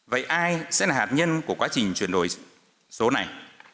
vậy ai sẽ là hạt nhân của quá trình chuyển đổi số này